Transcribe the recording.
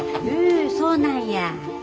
へえそうなんや。